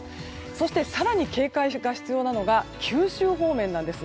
そして更に警戒が必要なのが九州方面です。